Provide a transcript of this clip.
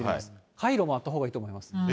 カイロもあったほうがいいと思います。